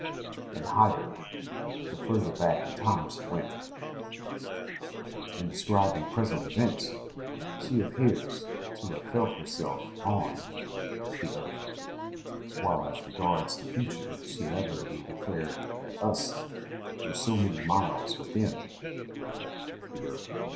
and higher the further back in time she went; in describing present events she appears to have felt herself on (the earth); while, as regards the future, she invariably declared that "us" were so many miles "within" (the earth).